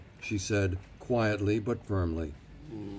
she said, quietly but firmly.